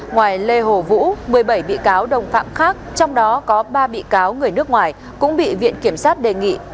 ngoài lê hồ vũ một mươi bảy bị cáo đồng phạm khác trong đó có ba bị cáo người nước ngoài cũng bị viện kiểm sát đề nghị